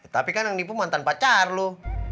tapi kan yang nipu mantan pacar loh